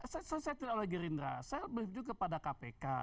saya tidak oleh gerindra saya juga beri kepada kpk